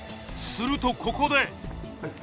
するとここで